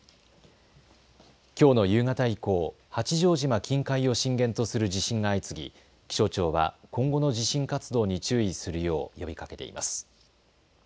きょうの夕方以降、八丈島近海を震源とする地震が相次ぎ気象庁は今後の地震活動に注意するよう呼びかけています。